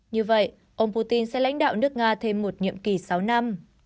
như vậy ông putin sẽ lãnh đạo nước nga thêm một nhiệm kỳ sáu năm